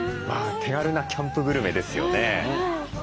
手軽なキャンプグルメですよね。